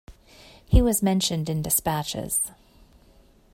He was mentioned in despatches.